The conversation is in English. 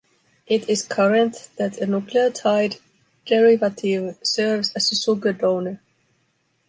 It is current that a nucleotide derivative serves as a sugar donor.